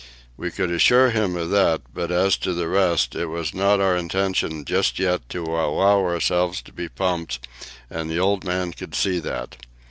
We could assure him of that, but as to the rest, it was not our intention just yet to allow ourselves to be pumped, and the old man could see that.